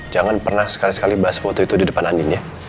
jangan pernah sekali sekali bahas foto itu di depan anginnya